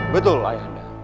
betul lah ayah anda